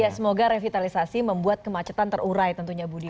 ya semoga revitalisasi membuat kemacetan terurai tentunya budi